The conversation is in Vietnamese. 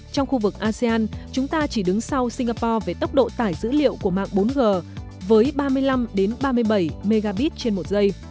trong khu vực asean chúng ta chỉ đứng sau singapore về tốc độ tải dữ liệu của mạng bốn g với ba mươi năm ba mươi bảy mbps trên một giây